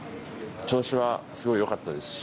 調子はすごい良かったですし